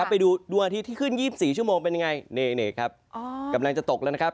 ไปดูดวงอาทิตย์ที่ขึ้น๒๔ชั่วโมงเป็นอย่างไร